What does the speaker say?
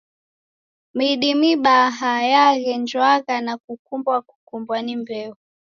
Midi mibaha yaghenjwagha na kukumbwa-kumbwa ni mbeo.